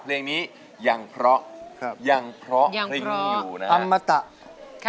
เพลงนี้ยังเพราะยังเพราะริงอยู่นะครับ